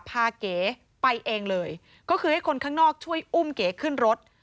เก๋ไปเองเลยก็คือให้คนข้างนอกช่วยอุ้มเก๋ขึ้นรถ